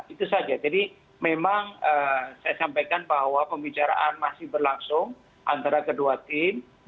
itu saja jadi memang saya sampaikan bahwa pembicaraan masih berlangsung antara kedua tim